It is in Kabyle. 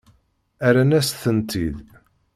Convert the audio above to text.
Rran-as-tent-id.